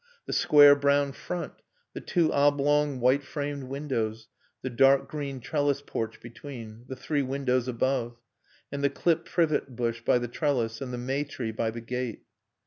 The square brown front; the two oblong, white framed windows, the dark green trellis porch between; the three windows above. And the clipped privet bush by the trellis and the may tree by the gate.